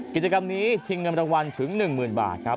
กิจกรรมนี้ชิงเงินรางวัลถึง๑๐๐๐บาทครับ